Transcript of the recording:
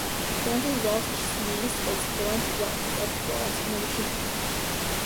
Frances Welch's niece is Florence Welch of Florence and the Machine.